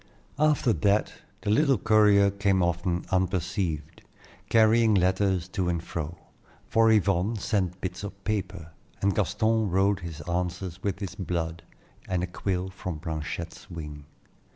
After that the little courier came often unperceived, carrying letters to and fro; for Yvonne sent bits of paper, and Gaston wrote his answers with his blood and a quill from Blanchette's wing.